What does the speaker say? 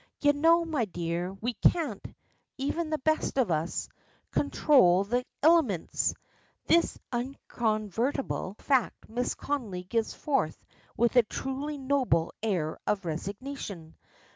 Ye know, me dear, we can't (even the best of us) conthrol the illimints!" This incontrovertible fact Mrs. Connolly gives forth with a truly noble air of resignation.